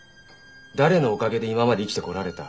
誰のおかげで今まで生きてこられた？